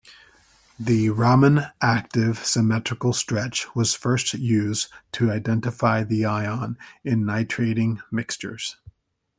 The Raman-active symmetrical stretch was first used to identify the ion in nitrating mixtures.